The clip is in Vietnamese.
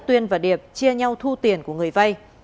tuyên đã đứng ra nhau thu tiền của người vay